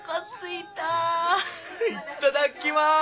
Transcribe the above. いただきまーす！